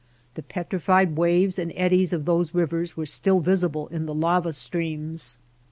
The petrified waves and eddies of those rivers were still visible in the lava streams.